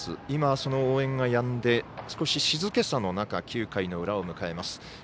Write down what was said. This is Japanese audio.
今、その応援がやんで少し静けさの中９回の裏を迎えます。